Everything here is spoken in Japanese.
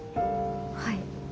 はい。